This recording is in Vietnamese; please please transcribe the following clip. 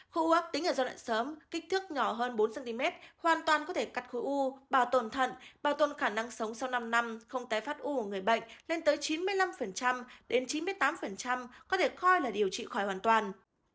khu ước tính ở giai đoạn sớm kích thước nhỏ hơn bốn cm hoàn toàn có thể cắt khối u bảo tồn thận bảo tồn khả năng sống sau năm năm không tái phát u của người bệnh lên tới chín mươi năm đến chín mươi tám có thể coi là điều trị khỏi hoàn toàn